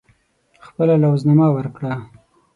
خپله لوز نامه ورکړه.